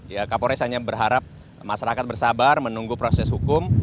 ya kapolres hanya berharap masyarakat bersabar menunggu proses hukum